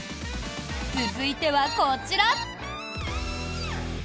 続いてはこちら！